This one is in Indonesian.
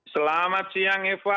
selamat siang eva